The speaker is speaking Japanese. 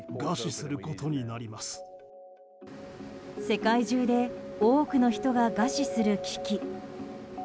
世界中で多くの人が餓死する危機。